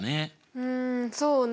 うんそうね。